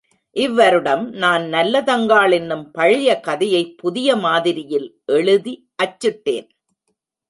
இவ்வருடம் நான் நல்லதங்காள் என்னும் பழைய கதையைப் புதிய மாதிரியில் எழுதி அச்சிட்டேன்.